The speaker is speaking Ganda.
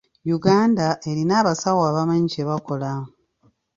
Uganda erina abasawo abamanyi kye bakola.